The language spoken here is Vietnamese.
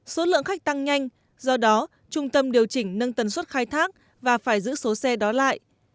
số lượng khách tăng nhanh do đó trung tâm điều chỉnh nâng tần suất khai thác và phải giữ số xe đó lại